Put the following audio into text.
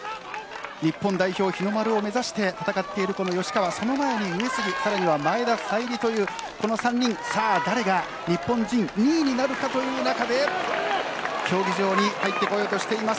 日本代表、日の丸を目指して戦っているというこの吉川、その前に上杉さらには前田彩里というこの３人、さあ、誰が日本人２位になるかという中で競技場に入ってこようとしています。